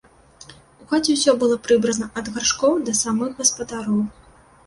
У хаце ўсё было прыбрана ад гаршкоў да самых гаспадароў.